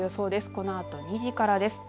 このあと２時からです。